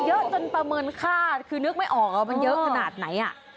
เยอะจนประเมินค่าคือนึกไม่ออกว่ามันเยอะขนาดไหน